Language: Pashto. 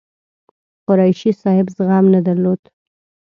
قریشي صاحب زغم نه درلود.